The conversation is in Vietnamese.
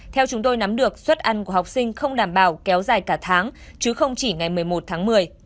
theo chúng tôi nắm được suất ăn của học sinh không đảm bảo kéo dài cả tháng chứ không chỉ ngày một mươi một tháng một mươi